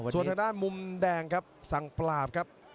ส่วนทางด้านมุมแดงครับสั่งปราบครับ